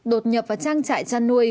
đột nhập vào trang trại trăn nuôi